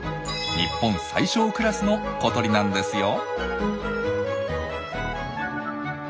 日本最小クラスの小鳥なんですよ。